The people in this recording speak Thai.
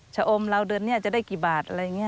ชะอมเราเดือนนี้จะได้กี่บาทอะไรอย่างนี้